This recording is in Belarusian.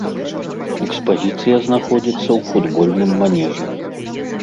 Экспазіцыя знаходзіцца ў футбольным манежы.